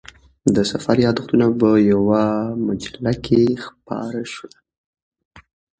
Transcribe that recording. د سفر یادښتونه په یوه مجله کې خپاره شول.